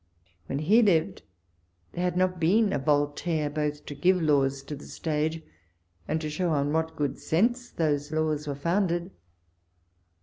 When he lived, there had not been a Voltaire both to give laws to the stage, and to show on what good sense tho^ • laws were founded.